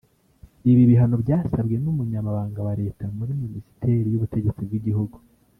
Ibi bihano byasabwe n’Umunyamabanga wa Leta muri Minisiteri y’ubutegetsi bw’igihugu